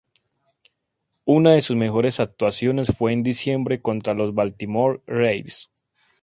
Una de sus mejores actuaciones fue en Diciembre contra los Baltimore Ravens.